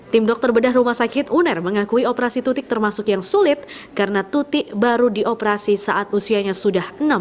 tim dokter bedah rumah sakit uner mengakui operasi tutik termasuk yang sulit karena tutik baru dioperasi saat usianya sudah enam tahun